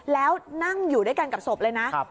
แล้วนั่งอยู่ด้วยกันกับศพเลยนะ